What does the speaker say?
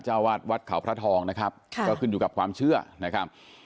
เจ้าวาดวัดเขาพระทองนะครับค่ะก็ขึ้นอยู่กับความเชื่อนะครับ